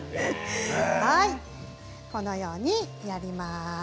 このようにやります。